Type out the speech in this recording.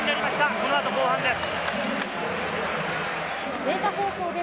このあと後半です。